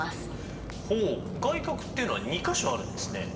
ほう外角っていうのは２か所あるんですね。